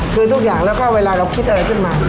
คือทุกอย่างแล้วก็เวลาเราคิดอะไรขึ้นมา